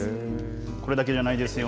これだけじゃないですよ。